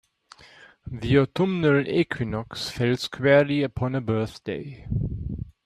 The autumnal equinox fell squarely upon her birthday.